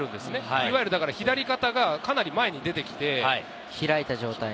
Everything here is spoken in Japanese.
いわゆる左肩がかなり前に出てきて。